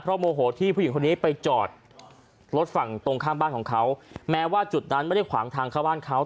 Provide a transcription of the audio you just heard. โมโหที่ผู้หญิงคนนี้ไปจอดรถฝั่งตรงข้ามบ้านของเขาแม้ว่าจุดนั้นไม่ได้ขวางทางเข้าบ้านเขา